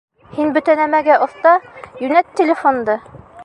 Һин бөтә нәмәгә оҫта, йүнәт телефонды!